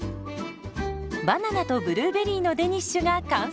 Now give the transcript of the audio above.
バナナとブルーベリーのデニッシュが完成。